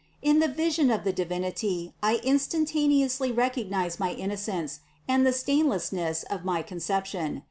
In the vision of the Divinity I instantaneously recog nized my innocence and the stainlessness of my Concep tion.